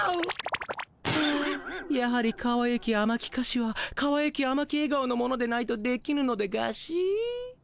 はあやはりかわゆきあまきかしはかわゆきあまきえ顔の者でないとできぬのでガシ？